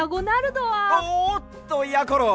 おっとやころ！